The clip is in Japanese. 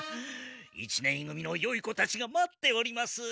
一年い組のよい子たちが待っております。